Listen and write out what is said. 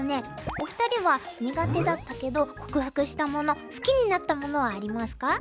お二人は苦手だったけど克服したもの好きになったものはありますか？